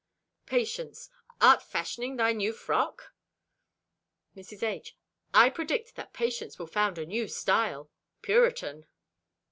Patience.—"Art fashioning thy new frock?" Mrs. H.—"I predict that Patience will found a new style—Puritan."